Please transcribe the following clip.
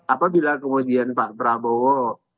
apabila kemudian pak prabowo